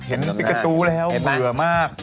เห็นฟิกาตู้แล้วเบื่อมาก